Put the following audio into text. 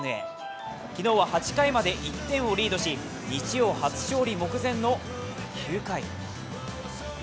昨日は８回まで１点をリードし、日曜、初勝利目前の９回。